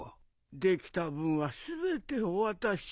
出来た分は全てお渡しを。